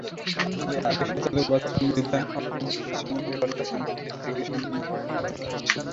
অটোরিকশাচালক বাচ্চু মৃধা অক্লান্ত পরিশ্রম করে অর্ধাহারে-অনাহারে থেকে সন্তানদের পড়ালেখা করাচ্ছেন।